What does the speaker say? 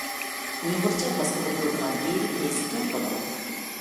ئۇيغۇرچە باسقىلى بولىدىغان يېرى پەيزىكەن بۇنىڭ.